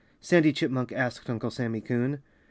Sandy Chipmunk asked Uncle Sammy Coon.